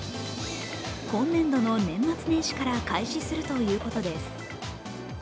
今年度の年末年始から開始するということです。